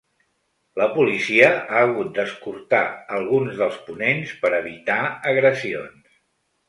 La policia ha hagut d’escortar alguns dels ponents per evitar agressions.